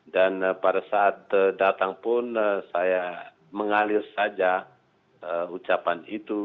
dan pada saat datang pun saya mengalir saja ucapan itu